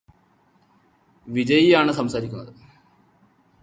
വിജയിയാണ് സംസാരിക്കുന്നത്